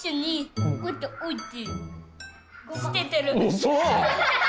うそ。